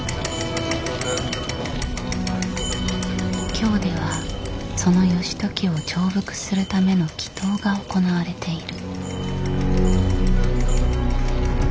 京ではその義時を調伏するための祈とうが行われている。